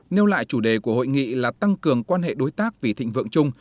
nêu lại chủ đề của hội nghị là tăng cường quan hệ đối tác vì thịnh vượng chung